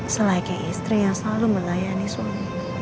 selagi istri yang selalu melayani suami